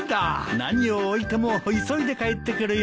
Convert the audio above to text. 何を置いても急いで帰ってくるよ。